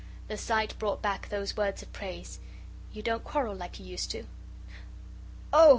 The sight brought back those words of praise: "You don't quarrel like you used to do." "OH!"